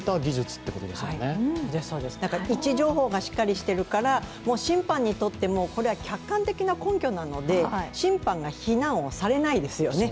そうです、位置情報がしっかりしてるから審判にとってもこれは客観的な根拠なので審判が非難をされないんですよね。